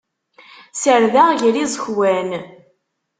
Serdeɣ gar yiẓekwan.